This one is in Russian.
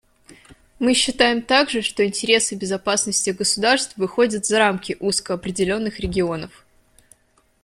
Мы считаем также, что интересы безопасности государств выходят за рамки узко определенных регионов.